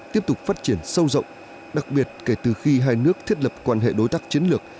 tiếp tục phát triển sâu rộng đặc biệt kể từ khi hai nước thiết lập quan hệ đối tác chiến lược